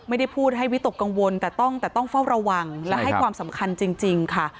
ไม่ได้พูดให้วิตกกังวลแต่ต้องแต่ต้องเฝ้าระวังและให้ความสำคัญจริงค่ะ